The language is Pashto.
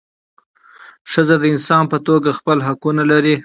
ښځه د انسان په توګه خپل حقونه لري.